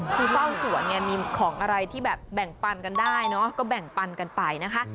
คือเฝ้าสวนเนี่ยมีของอะไรที่แบบแบ่งปันกันได้เนอะก็แบ่งปันกันไปนะคะ